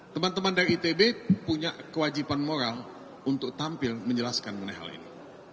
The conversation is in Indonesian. teman teman dari itb punya kewajiban moral untuk tampil menjelaskan mengenai hal ini